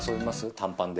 短パンで。